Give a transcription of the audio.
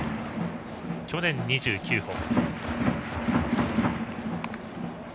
去年、２９本。